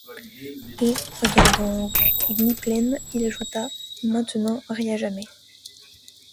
Et, regardant Gwynplaine, il ajouta: — Maintenant ris à jamais.